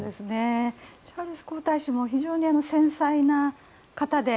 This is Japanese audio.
チャールズ皇太子も非常に繊細な方で。